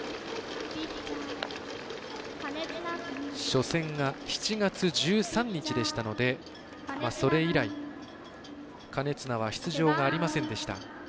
初戦が７月１３日でしたのでそれ以来、金綱は出場がありませんでした。